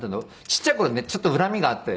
ちっちゃい頃ねちょっと恨みがあって。